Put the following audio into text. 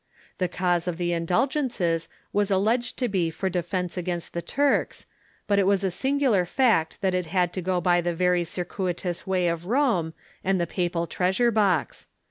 The cause of the indulgences was alleged to be for defence against the Turks, but it was a singular fact that it had to go by the very circuitous way of Rome and the papal treasure box.